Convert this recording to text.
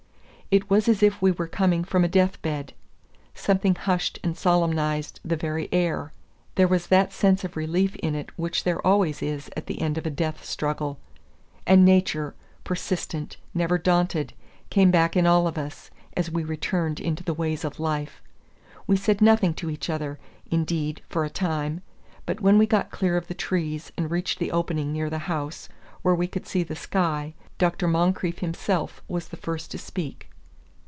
It was as if we were coming from a death bed. Something hushed and solemnized the very air. There was that sense of relief in it which there always is at the end of a death struggle. And nature, persistent, never daunted, came back in all of us, as we returned into the ways of life. We said nothing to each other, indeed, for a time; but when we got clear of the trees and reached the opening near the house, where we could see the sky, Dr. Moncrieff himself was the first to speak.